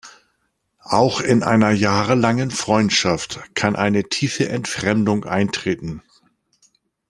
Auch in einer jahrelangen Freundschaft kann eine tiefe Entfremdung eintreten.